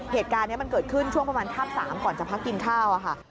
เหตุการณ์นี้มันเกิดขึ้นช่วงประมาณข้าม๓ก่อนจะพักกินข้าวค่ะ